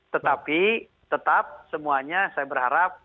tetapi tetap semuanya saya berharap